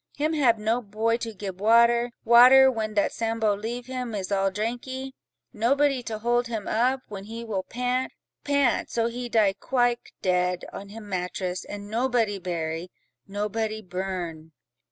Him hab no boy to gib water, water, when that Sambo leave him is all drankee: nobody to hold him up, when he will pant, pant—so he die quike dead, on him mattress, and nobody bury—nobody burn."